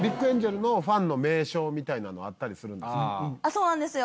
そうなんですよ。